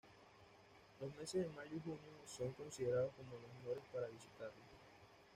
Los meses de mayo y junio son considerados como los mejores para visitarlo.